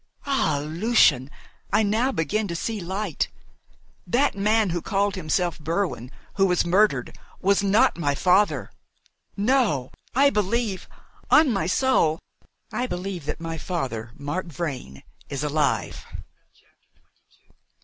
"Ah, Lucian, I now begin to see light. That man who called himself Berwin, who was murdered, was not my father. No, I believe on my soul, I believe that my father, Mark Vrain, is alive!"